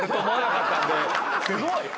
すごい。